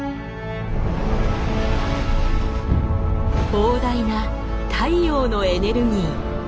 膨大な太陽のエネルギー。